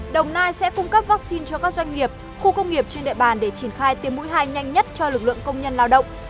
đồng nai sẽ cung cấp vaccine cho các doanh nghiệp khu công nghiệp trên địa bàn để triển khai tiêm mũi hai nhanh nhất cho lực lượng công nhân lao động